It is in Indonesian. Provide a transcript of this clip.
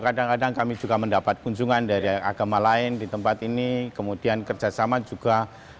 kadang kadang kami juga mendapat kunjungan dari agama lain di tempat ini kemudian kerjasama juga